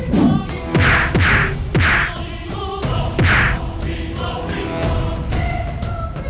kita yakin itu bakal sedikit